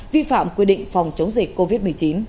vi phạm quy định phòng chống dịch covid một mươi chín